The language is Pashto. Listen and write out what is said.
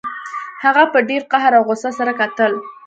هغه په ډیر قهر او غوسه سره کتل